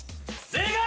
正解！